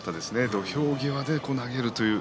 土俵際で投げるという。